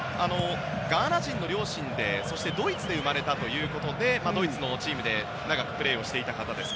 ガーナ人の両親でそしてドイツで生まれたということでドイツのチームで長くプレーをしていた方です。